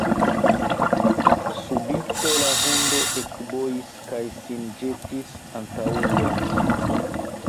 Subite la hundo ekbojis kaj sin ĵetis antaŭen.